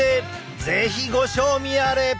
是非ご賞味あれ！